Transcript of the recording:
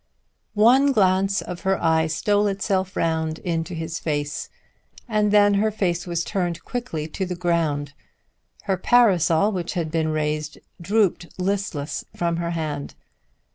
One glance of her eye stole itself round into his face, and then her face was turned quickly to the ground. Her parasol which had been raised drooped listless from her hand.